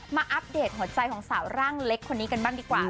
อัปเดตหัวใจของสาวร่างเล็กคนนี้กันบ้างดีกว่า